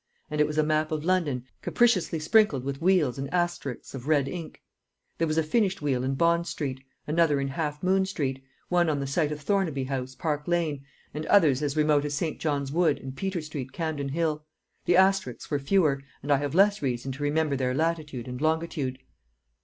And it was a map of London capriciously sprinkled with wheels and asterisks of red ink; there was a finished wheel in Bond Street, another in Half Moon Street, one on the site of Thornaby House, Park Lane, and others as remote as St. John's Wood and Peter Street, Campden Hill; the asterisks were fewer, and I have less reason to remember their latitude and longitude.